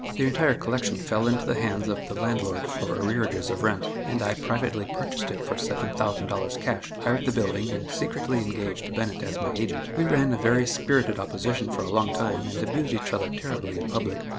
The entire collection fell into the hands of the landlord for arrearages of rent, and I privately purchased it for $7,000 cash, hired the building, and secretly engaged Bennett as my agent. We ran a very spirited opposition for a long time and abused each other terribly in public.